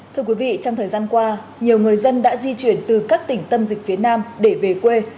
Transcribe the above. thưa quý vị trong thời gian qua nhiều người dân đã di chuyển từ các tỉnh tâm dịch phía nam để về quê